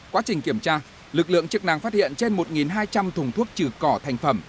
quá trình kiểm tra lực lượng chức năng phát hiện trên một hai trăm linh thùng thuốc trừ cỏ thành phẩm